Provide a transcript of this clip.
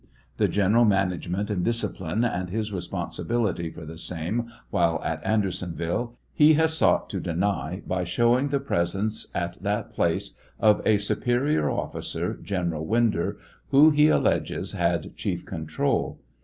The general management and discipline, and his i esponsibility for the same while at Andersonville, he has sought to deny by showing the presence at that place of a superior officer, General Winder, who, he alleles, had chief control.